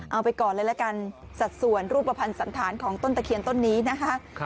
เอาไปก่อนเลยละกันสัดส่วนรูปภัณฑ์สันธารของต้นตะเคียนต้นนี้นะคะ